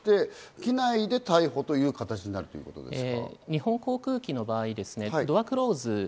機内で逮捕という形になるということですか？